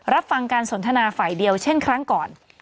รับฟังการสนทนาฝ่ายเดียวเช่นครั้งก่อน